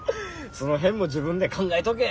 その辺も自分で考えとけ！